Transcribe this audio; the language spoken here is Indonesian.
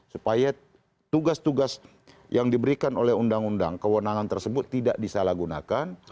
supaya tugas tugas yang diberikan oleh undang undang kewenangan tersebut tidak disalahgunakan